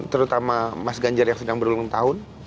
terutama mas ganjar yang sedang berulang tahun